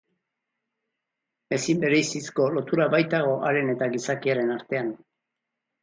Ezin bereizizko lotura baitago haren eta gizakiaren artean.